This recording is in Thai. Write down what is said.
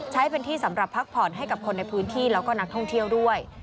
ใช้เป็นที่สำหรับพักผ่อนให้กับคนในพื้นที่แล้วก็นักท่องเที่ยวด้วย